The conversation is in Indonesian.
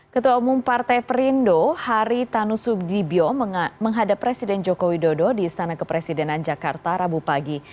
ketua umum partai perindo hari tanu subdibyo menghadap presiden jokowi dodo di istana kepresidenan jakarta rabu pagi